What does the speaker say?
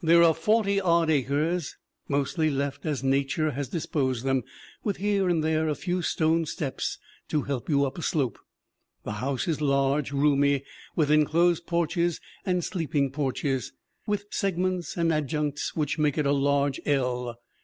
There are forty odd acres, mostly left as nature has disposed them, with here and there a few stone steps to help you up a slope. The house is large, roomy, with enclosed porches and sleeping porches, with segments and adjuncts which make it a large L.